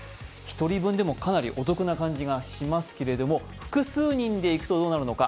１人分でもかなりお得な感じがしますけれども、複数人で行くとどうなるのか。